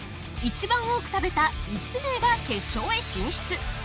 いちばん多く食べた１名が決勝へ進出。